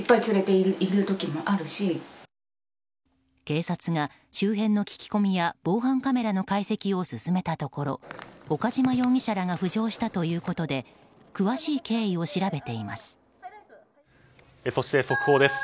警察が周辺の聞き込みや防犯カメラの解析を進めたところ、岡島容疑者らが浮上したということで詳しい経緯を調べています。